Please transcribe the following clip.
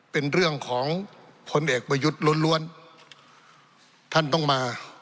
เป็นเรื่องของพลเอกประยุทธ์ล้วนล้วนท่านต้องมา